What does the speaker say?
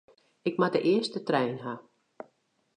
Ik moat de earste trein ha.